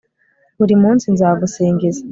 buri munsi nzagusingiza